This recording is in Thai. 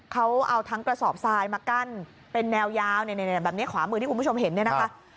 เขาเอาทั้งกระสอบทรายมากั้นเป็นแนวยาวแบบนี้ขวามือที่คุณผู้ชมเห็นเนี่ยนะคะ